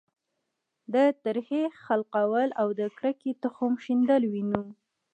د ترهې خلقول او د کرکې تخم شیندل وینو.